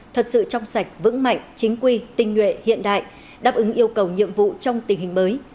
thật sự trong sạch vững mạnh chính quy tinh nhuệ hiện đại đáp ứng yêu cầu nhiệm vụ trong tình hình mới